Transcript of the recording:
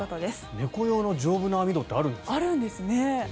猫用の丈夫な網戸ってあるんですか？